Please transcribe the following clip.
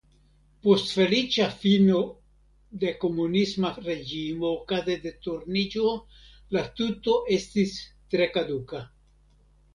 Post feliĉa fino de komunisma reĝimo okaze de Turniĝo la tuto estis tre kaduka.